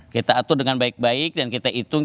kita atur dengan baik baik dan kita hitung